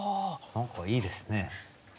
何かいいですね。